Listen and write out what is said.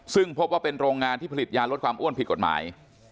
ซึ่งพบว่าเป็นโรงงานที่ผลิตยาลดความอ้วนผิดกฎหมาย